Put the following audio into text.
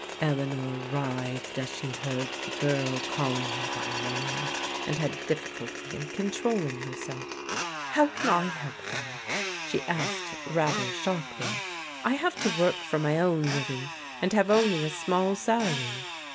Eleanor writhed as she heard the girl calling her by name, and had difficulty in controlling herself. '* How can I help them?" she asked rather sharply. "I have to work for my own living, and have only a small salary."